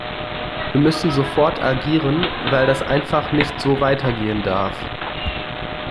Wir müssen sofort agieren, weil das einfach nicht so weitergehen darf.